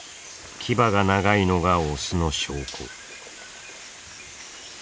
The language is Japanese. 牙が長いのがオスの証拠。